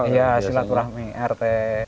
iya silaturahmi rt